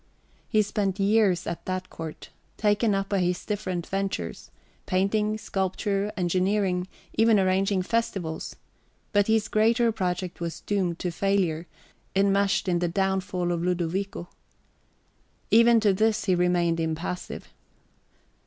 He spent years at that court, taken up by his different ventures, painting, sculpture, engineering, even arranging festivities but his greater project was doomed to failure, enmeshed in the downfall of Ludovico. Even to this he remained impassive.